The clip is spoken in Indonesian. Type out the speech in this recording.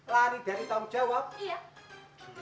lari dari tanggung jawab